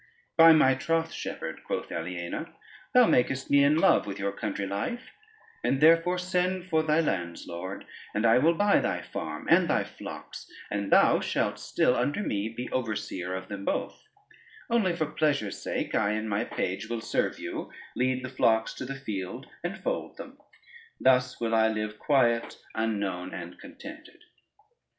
"By my troth, shepherd," quoth Aliena, "thou makest me in love with your country life, and therefore send for thy landslord, and I will buy thy farm and thy flocks, and thou shalt still under me be overseer of them both: only for pleasure sake I and my page will serve you, lead the flocks to the field, and fold them. Thus will I live quiet, unknown, and contented."